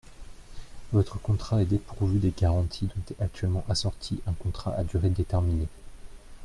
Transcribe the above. Votre contrat est dépourvu des garanties dont est actuellement assorti un contrat à durée déterminée.